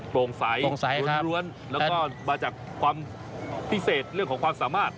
โปร่งใสล้วนแล้วก็มาจากความพิเศษเรื่องของความสามารถ